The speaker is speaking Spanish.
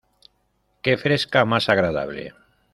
Qué fresca más agradable.